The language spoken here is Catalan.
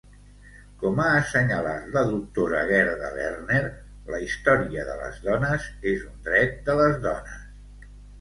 Com ha assenyalat la doctora Gerda Lerner, "La història de les dones és un dret de les dones".